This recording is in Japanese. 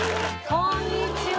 こんにちは。